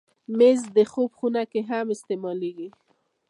مېز د خوب خونه کې هم استعمالېږي.